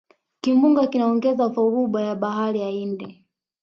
kimbunga kinaongeza dhoruba ya bahari ya hindi